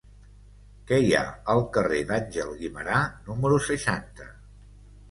Què hi ha al carrer d'Àngel Guimerà número seixanta?